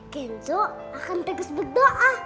kenzo akan terus berdoa